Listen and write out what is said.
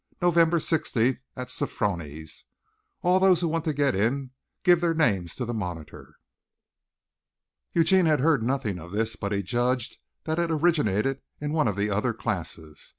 Nov. 16th. at Sofroni's. All those who want to get in give their names to the monitor." Eugene had heard nothing of this, but he judged that it originated in one of the other classes.